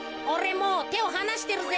もうてをはなしてるぜ。